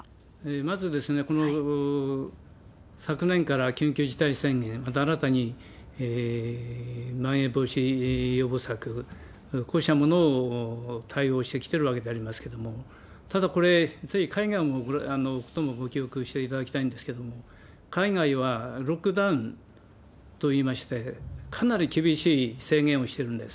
まず、昨年から緊急事態宣言、また新たにまん延防止予防策、こうしたものを対応してきてるわけでありますけれども、ただ、これ、実は海外のこともほとんどごきおくしていただきたいんですけれども海外はロックダウンといいまして、かなり厳しい制限をしてるんです。